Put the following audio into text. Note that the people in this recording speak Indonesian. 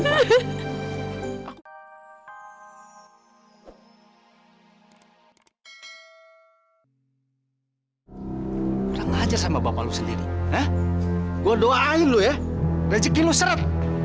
ngejelas sama bapak lu sendiri gue doain lu ya rezeki lu seret